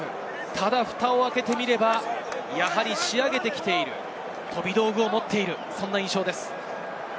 ただ、ふたを開けてみればやはり仕上げてきている、飛び道具を持っている印象です。